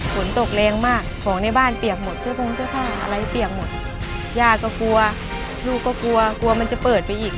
ฝนตกแรงมากของในบ้านเปียบหมดเจ้าพงเจ้าข้างอะไรเปียบหมด